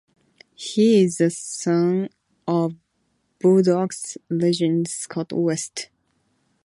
He is the son of Bulldogs legend Scott West.